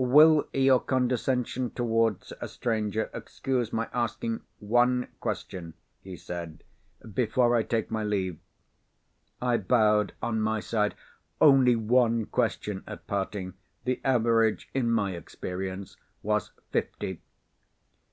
"Will your condescension towards a stranger, excuse my asking one question," he said, "before I take my leave?" I bowed on my side. Only one question at parting! The average in my experience was fifty.